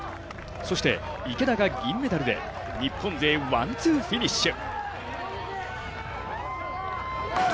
そして、池田が銀メダルで日本勢ワン・ツーフィニッシュ。